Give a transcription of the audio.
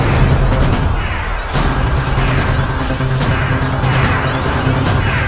aku tidak peduli